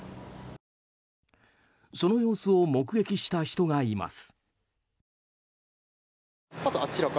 その様子を目撃した人がいます。